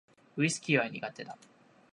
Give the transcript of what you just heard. ウィスキーは苦手だ